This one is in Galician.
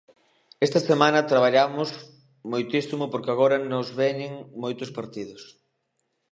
Esta semana traballamos moitísimo porque agora nos veñen moitos partidos.